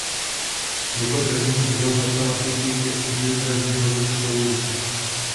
Jako první užil matematiky ke studiu drah dělových koulí.